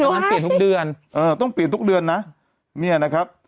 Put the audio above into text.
งั้นเปลี่ยนทุกเดือนเออต้องเปลี่ยนทุกเดือนนะเนี่ยนะครับ